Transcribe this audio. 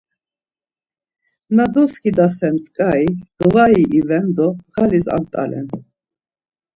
Na doskidasen tzǩari ğvari iven do ğalis ant̆alen.